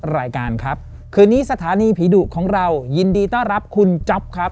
รายการครับคืนนี้สถานีผีดุของเรายินดีต้อนรับคุณจ๊อปครับ